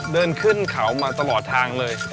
เดินขึ้นเขามาตลอดทางเลย